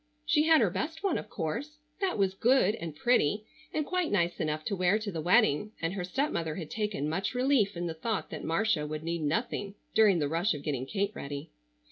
She had her best one of course. That was good, and pretty, and quite nice enough to wear to the wedding, and her stepmother had taken much relief in the thought that Marcia would need nothing during the rush of getting Kate ready.